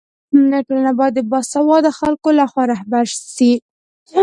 ټولنه باید د باسواده خلکو لخوا رهبري سي.